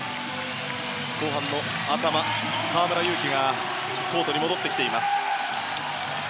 後半の頭、河村勇輝がコートに戻ってきています。